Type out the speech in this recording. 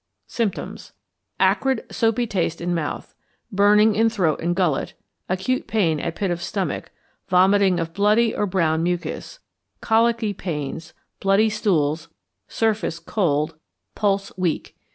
Symptoms. Acrid soapy taste in mouth, burning in throat and gullet, acute pain at pit of stomach, vomiting of bloody or brown mucus, colicky pains, bloody stools, surface cold, pulse weak.